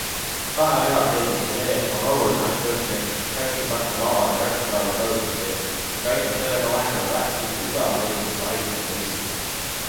Kanalihas leiduv seleen on oluline antioksüdant, mis kaitseb rakke vabade radikaalide kahjustuste eest ning aitab sellega vähendada vähki ja südamehaigustesse haigestumise riski.